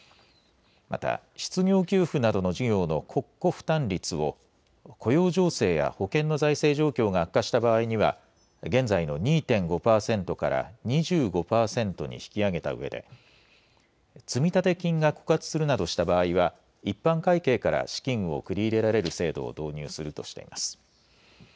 また失業給付などの事業の国庫負担率を雇用情勢や保険の財政状況が悪化した場合には現在の２．５％から２５％に引き上げたうえで積立金が枯渇するなどした場合は一般会計から資金を繰り入れられる制度を導入するとしています。